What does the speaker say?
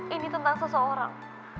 ini tentang seseorang